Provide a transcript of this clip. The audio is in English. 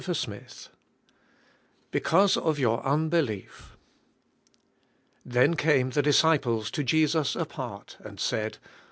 Chapter IL BECAUSE OF YOUR UNBELIEF Then came the disciples Co Jesus apart, and said.